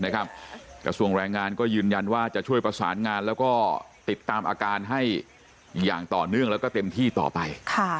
กระทรวงแรงงานก็ยืนยันว่าจะช่วยประสานงานแล้วก็ติดตามอาการให้อย่างต่อเนื่องแล้วก็เต็มที่ต่อไป